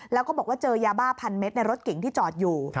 แล้วก็บอกว่าเจอยาบ้าพันเม็ดในรถเก๋งที่จอดอยู่